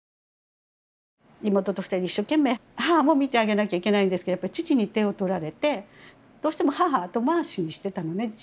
妹と２人で一生懸命母も見てあげなきゃいけないんですけどやっぱり父に手をとられてどうしても母は後回しにしてたのね。